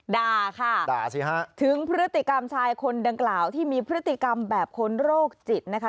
ด่าค่ะด่าสิฮะถึงพฤติกรรมชายคนดังกล่าวที่มีพฤติกรรมแบบคนโรคจิตนะคะ